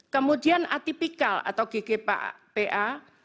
kemudian atipikal atau ggpa